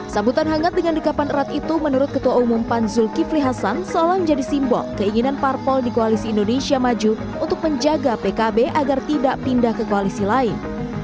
sambutan hangat dengan dekapan erat itu menurut ketua umum pan zulkifli hasan seolah menjadi simbol keinginan parpol di koalisi indonesia maju untuk menjaga pkb agar tidak pindah ke koalisi lain